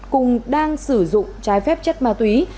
cùng đang sử dụng chai phép chất ma túy